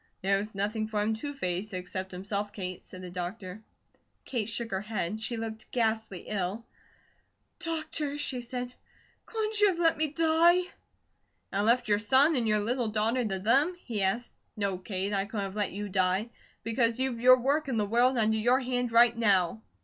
"There was nothing for him to face, except himself, Kate," said the doctor. Kate shook her head. She looked ghastly ill. "Doctor," she said, "couldn't you have let me die?" "And left your son and your little daughter to them?" he asked. "No, Kate, I couldn't have let you die; because you've your work in the world under your hand right now."